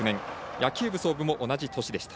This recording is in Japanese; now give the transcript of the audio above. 野球部創部も同じ年でした。